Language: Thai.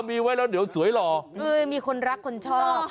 มีไว้แล้วเดี๋ยวสวยหล่อคือมีคนรักคนชอบ